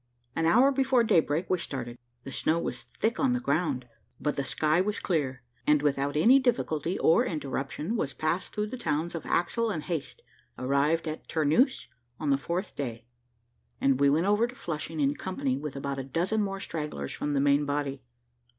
An hour before day break we started; the snow was thick on the ground, but the sky was clear, and without any difficulty or interruption was passed through the towns of Axel and Haist, arrived at Terneuse on the fourth day, and went over to Flushing in company with about a dozen more stragglers from the main body.